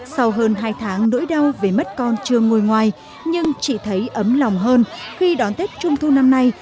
sau hơn hai tháng nỗi đau về mất con chưa ngồi ngoài nhưng chị thấy ấm lòng hơn khi đón tết trung thu năm nay